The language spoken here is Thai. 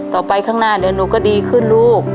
ข้างหน้าเดี๋ยวหนูก็ดีขึ้นลูก